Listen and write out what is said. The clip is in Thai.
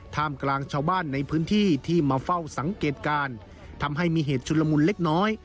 ท่ามกลางชาวบ้านในพื้นที่ที่มาเฝ้าสังเกตการณ์ทำให้มีเหตุชุนละมุนเล็กน้อย